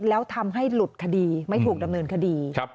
แล้วทำให้หลุดคดีไม่ถูกดำเนินคดี